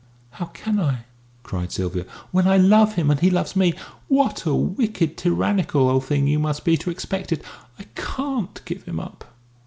"How can I," cried Sylvia, "when I love him and he loves me? What a wicked tyrannical old thing you must be to expect it! I can't give him up."